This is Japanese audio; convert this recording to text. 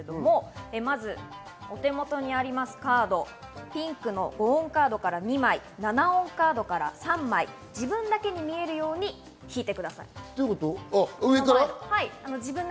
まずお手元にあるカード、ピンクの５音カードから２枚、７音カードから３枚、自分だけに見えるように引いてください。